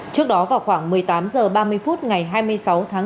trước đó vào khoảng một mươi tám h ba mươi phút ngày hai mươi sáu tháng bốn